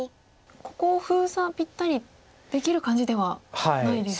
ここを封鎖ぴったりできる感じではないですよね。